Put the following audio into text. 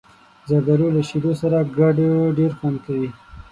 زردالو له شیدو سره ګډ ډېر خوند کوي.